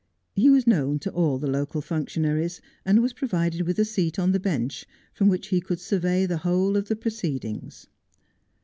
He was known to all the local functionaries, and was provided with a seat on the Bench, from which he could survey the whole of the proceedings.